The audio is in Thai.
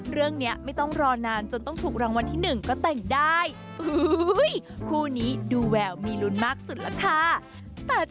เรื่องเนี่ยไม่ต้องรอนานจนต้องถูกรางวัลที่หนึ่งก็แต่งได้